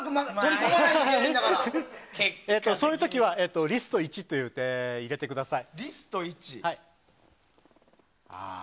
そういう時はリスト１って入れてください。